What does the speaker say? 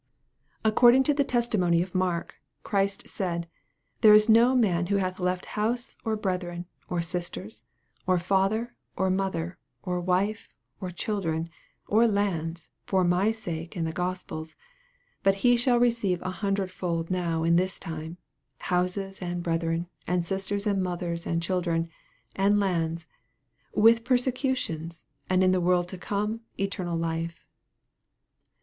According to the testimony of Mark, Christ said, "There is no man who hath left house, or brethren, or sisters, or father, or mother, or wife, or children, or lands, for my sake and the Gospel's, but he shall receive an hundredfold now in this time, houses, and brethren, and sisters, and mothers, and children, and lands, with persecutions, and in the world to come eternal life."